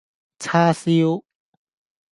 叉燒